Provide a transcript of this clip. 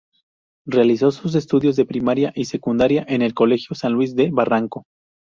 Realizó sus estudios de primaria y secundaria en el colegio San Luis de Barranco.